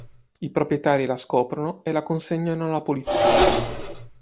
I proprietari la scoprono e la consegnano alla Polizia.